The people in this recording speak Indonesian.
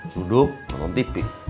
duduk nonton tv